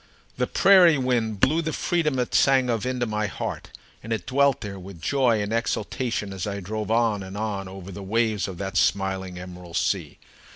The prairie wind blew the freedom it sang of into my heart, and it dwelt there with joy and exultation as I drove on and on over the waves of that smiling emerald sea.